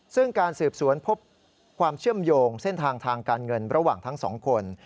ซึ่งการสืบสวนพบความเชื่อมโยงเส้นทางทางการเงินระหว่างทั้งสองคน